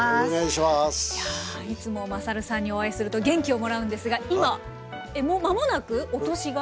いやいつもまさるさんにお会いすると元気をもらうんですが今もう間もなくお年が？